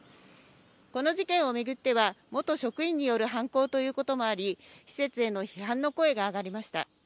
この事件を巡っては、元職員による犯行ということもあり、施設への批判の声が上がりました。